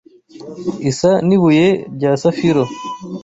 isa n’ibuye rya safiro